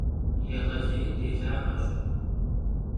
Yêğelêy dêlağeş.